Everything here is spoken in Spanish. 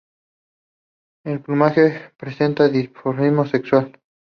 En el plumaje presenta dimorfismo sexual.